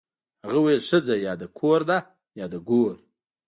هغه ویل ښځه یا د کور ده یا د ګور